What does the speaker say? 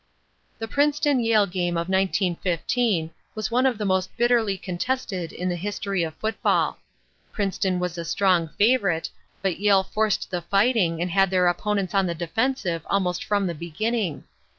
'" The Princeton Yale game of 1915 was one of the most bitterly contested in the history of football. Princeton was a strong favorite, but Yale forced the fighting and had their opponents on the defensive almost from the beginning.